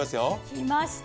きました。